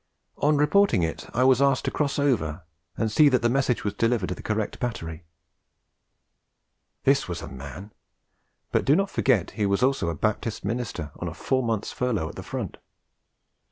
On reporting it I was asked to cross over and see that the message was delivered to the correct battery.' This was a man! But do not forget he was also a Baptist minister on a four months furlough at the front.